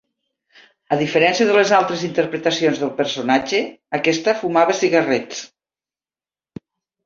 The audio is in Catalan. A diferència de les altres interpretacions del personatge, aquesta fumava cigarrets.